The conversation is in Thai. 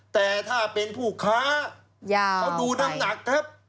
แต่ถ้าเป็นผู้ค้าเขาดูน้ำหนักครับ